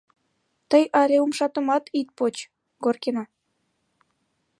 Тый але умшатымат ит поч, Горкина!